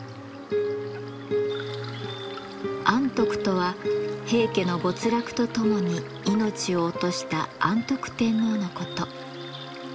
安徳とは平家の没落とともに命を落とした安徳天皇のこと。